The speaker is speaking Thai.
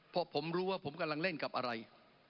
เพราะผมรู้ว่าผมกำลังเล่นกับอะไร